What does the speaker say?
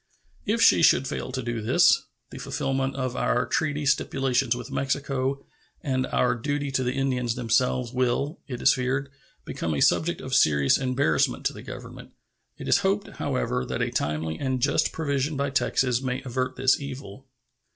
If she should fail to do this, the fulfillment of our treaty stipulations with Mexico and our duty to the Indians themselves will, it is feared, become a subject of serious embarrassment to the Government. It is hoped, however, that a timely and just provision by Texas may avert this evil.